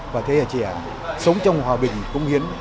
và thế hệ trẻ sống trong hòa bình công hiến